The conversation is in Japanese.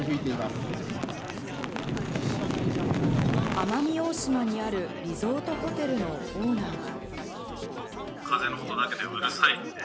奄美大島にあるリゾートホテルのオーナーは。